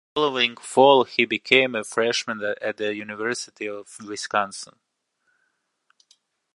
The following fall he became a freshman at the University of Wisconsin.